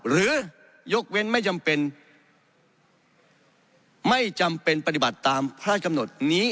ยกเว้นไม่จำเป็นไม่จำเป็นปฏิบัติตามพระราชกำหนดนี้